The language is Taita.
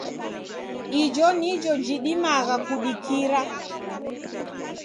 Ijo nijo jidimagha kudikira.